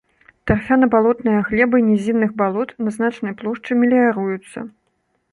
Тарфяна-балотныя глебы нізінных балот на значнай плошчы меліяруюцца.